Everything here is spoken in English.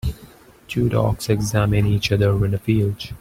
Two dogs examine each other in a field.